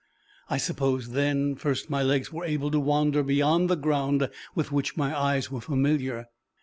I suppose then first my legs were able to wander beyond the ground with which my eyes were familiar.